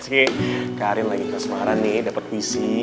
sik karin lagi tersemaran nih dapet puisi